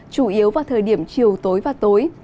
chủ yếu vào thời điểm chiều tối và tối